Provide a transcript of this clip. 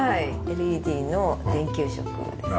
ＬＥＤの電球色ですね。